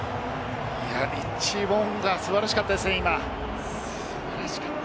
リッチー・モウンガ、素晴らしかったですね。